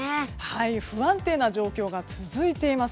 不安定な状況が続いています。